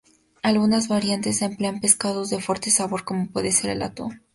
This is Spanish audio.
Algunas variantes emplean pescados de fuerte sabor como puede ser el atún.